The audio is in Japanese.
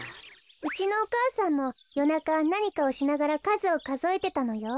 うちのお母さんもよなかなにかをしながらかずをかぞえてたのよ。